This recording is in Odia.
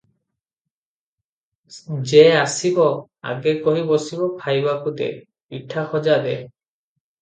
ଯେ ଆସିବ, ଆଗେ କହି ବସିବ ଖାଇବାକୁ ଦେ, ପିଠା ଖଜା ଦେ ।